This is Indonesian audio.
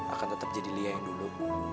akan tetap jadi lia yang dulu